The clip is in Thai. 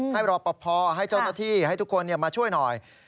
รอปภให้เจ้าหน้าที่ให้ทุกคนมาช่วยหน่อย